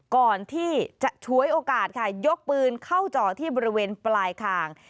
ก่อนที่จะชวยโอกาสค่ะยกปืนเข้าจ่อที่บริเวณปลายคาง